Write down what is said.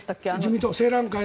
自民党、青嵐会で。